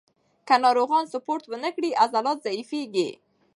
که ناروغان سپورت ونه کړي، عضلات ضعیفېږي.